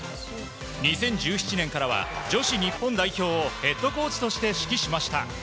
２０１７年からは女子日本代表をヘッドコーチとして指揮しました。